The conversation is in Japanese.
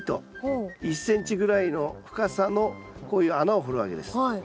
１ｃｍぐらいの深さのこういう穴を掘るわけです。